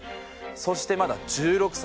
そしてまだ１６歳。